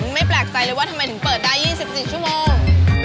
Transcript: ไม่แปลกใจเลยว่าทำไมถึงเปิดได้๒๔ชั่วโมง